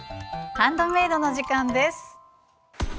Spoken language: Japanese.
ハンドメイドの時間です！